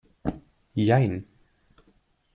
Jein.